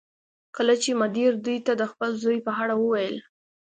کله چې مدیر دوی ته د خپل زوی په اړه وویل